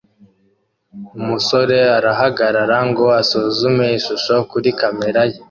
Umusore arahagarara ngo asuzume ishusho kuri kamera ye